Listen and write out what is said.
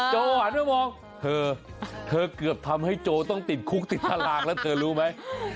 โจหันมาบอกเธอเกือบทำให้โจต้องติดคุกติดฮาราคล์เท่านั้นเธอรู้ไหม